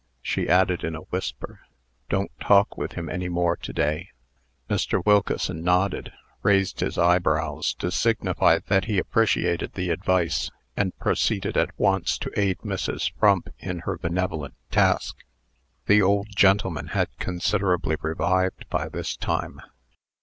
She added, in a whisper, "Don't talk with him any more to day." Mr. Wilkeson nodded, raised his eyebrows to signify that he appreciated the advice, and proceeded at once to aid Mrs. Frump in her benevolent task. The old gentleman had considerably revived by this time.